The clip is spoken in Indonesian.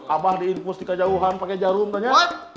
abah diinfus di kejauhan pakai jarum tanya